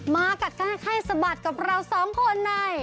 มากัดกันให้สะบัดกับเราสองคนใน